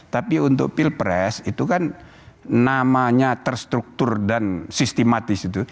tapi untuk pilpres itu kan namanya terstruktur dan sistematis itu